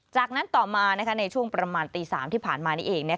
จากนั้นต่อมาในช่วงประมาณตี๓ที่ผ่านมานี้เอง